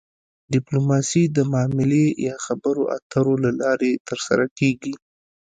ډیپلوماسي د معاملې یا خبرو اترو له لارې ترسره کیږي